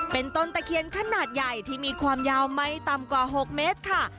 เป็นต้นตะเคียนขนาดใหญ่ที่มีความยาวไม่ต่ำกว่า๖เมตรค่ะ